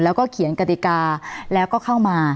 แล้วก็เขียนกติกาแล้วก็เข้ามา